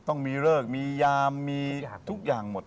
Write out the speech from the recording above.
ต้องมีเลิกมียามมีทุกอย่างหมด